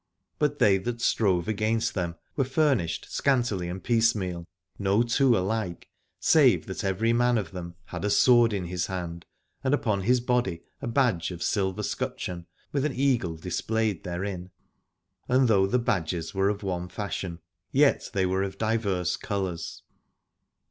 But they that strove against them were furnished scantily and piecemeal, no two 72 Aladore alike, save that every man of them had a sword in his hand, and upon his body a badge of a silver scutcheon v^ith an eagle displayed therein, and though the badges were of one fashion yet they were of diverse colours.